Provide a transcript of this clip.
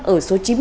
ở số chín mươi năm